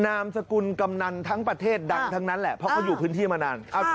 นามสกุลกำนันทั้งประเทศดังทั้งนั้นแหละเพราะเขาอยู่พื้นที่มานาน